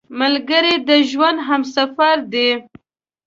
ملګری د ژوند همسفر دی